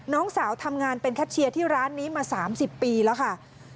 น้องสาวทำงานเป็นแคทเชียร์ที่ร้านนี้มา๓๐ปีแล้วค่ะ